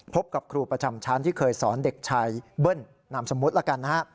พบกับครูประจำชั้นที่เคยสอนเด็กชายเบิ้ลนามสมมุติแล้วกันนะฮะ